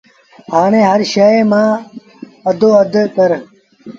هآڻي هر شئي مآݩ اڌو اد ڪر